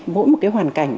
mỗi một hoàn cảnh